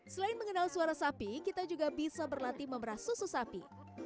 selain mengenal suara sapi kita juga bisa berlatih memerah susu sapi